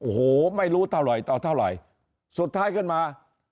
โอ้โหไม่รู้เท่าไหร่ต่อเท่าไหร่สุดท้ายขึ้นมา